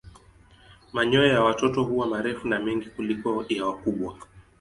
Manyoya ya watoto huwa marefu na mengi kuliko ya wakubwa.